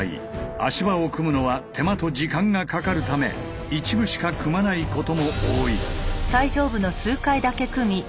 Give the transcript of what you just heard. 足場を組むのは手間と時間がかかるため一部しか組まないことも多い。